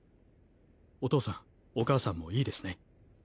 お義父さんお義母さんもいいですね？